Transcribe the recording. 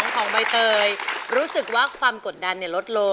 โปรดติดตามตอนต่อไป